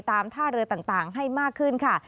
ท่าเรือต่างให้มากขึ้นค่ะ